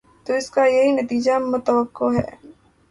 تو اس کا یہی نتیجہ متوقع ہے۔